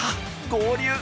合流。